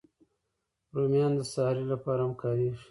رومیان د سحري لپاره هم کارېږي